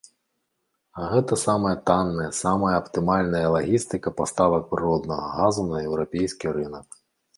А гэта самая танная, самая аптымальная лагістыка паставак прыроднага газу на еўрапейскі рынак.